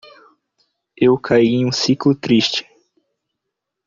Eu caí em um ciclo triste